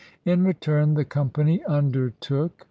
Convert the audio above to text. In return the Company undertook 1